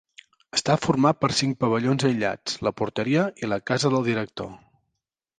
Està format per cinc pavellons aïllats, la porteria i la casa del director.